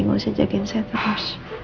gak usah jagain saya terus